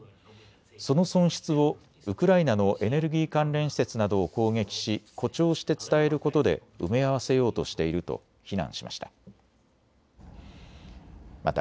その損失をウクライナのエネルギー関連施設などを攻撃し誇張して伝えることで埋め合わせようとしていると非難しました。